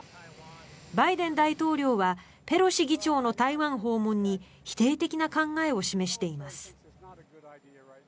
バイデン大統領はペロシ議長の台湾訪問に否定的な考えを示しています。